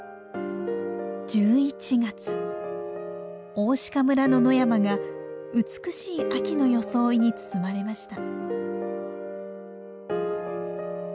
大鹿村の野山が美しい秋の装いに包まれました。